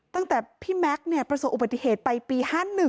ตั้งแต่พี่แม็กซ์ประสบอุบัติเหตุไปปี๕๑